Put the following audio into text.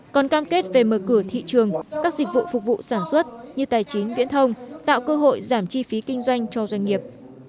còn cam kết về mở cửa thị trường các dịch vụ phục vụ sản xuất như tài chính viễn thông tạo cơ hội giảm chi phí kinh doanh cho doanh nghiệp